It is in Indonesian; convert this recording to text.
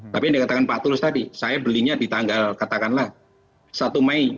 tapi yang dikatakan pak tulus tadi saya belinya di tanggal katakanlah satu mei